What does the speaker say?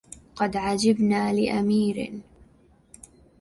قد عجبنا لأمير